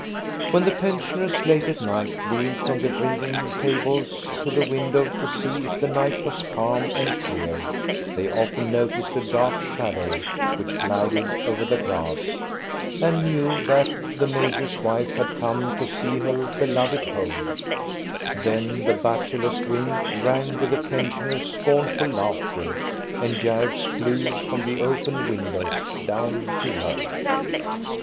When the pensioners late at night reeled from the drinking tables to the window to see if the night was calm and clear, they often noticed a dark shadow, which glided over the grass, and knew that the major's wife had come to see her beloved home ; then the bachelors' wing rang with the pensioners' scornful laughter, and gibes flew from the open windows down to her.